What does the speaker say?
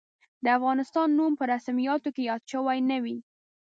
د افغانستان نوم په رسمیاتو کې یاد شوی نه وي.